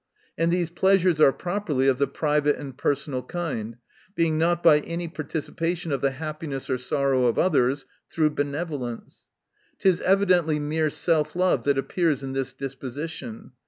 And these pleasures are properly of the private and personal kind ; being not by any participation of the happiness or sorrow of others, through benevolence. It is evidently mere self love, that appears in this disposition.